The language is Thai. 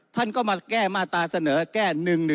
ท่านก็มาแก้มาตราเสนอแก้๑๑๒